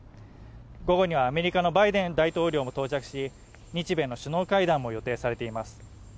午後にはアメリカのバイデン大統領も到着し、日米の首脳会談も予定されています。